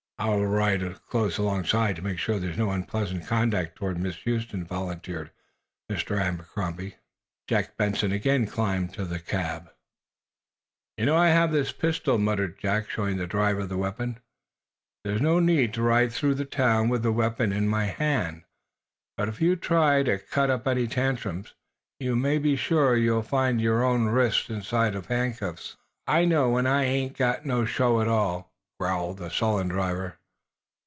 "I'll ride close alongside, to make sure there's no unpleasant conduct toward Miss Huston," volunteered Mr. Abercrombie. Jack Benson again climbed to the cab box. "You know I have the pistol," muttered Jack, showing the driver the weapon. "There's no need to ride through the town with the weapon in my hand. But, if you try to cut up any tantrums, you may be sure you'll find your own wrists inside of handcuffs." "I know when I ain't got no show at all," growled the sullen driver.